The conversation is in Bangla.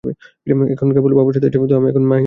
এখন কেবল বাবাই সাথে আছে, তো আমি এখন মা হীনা বাবার মেয়ে।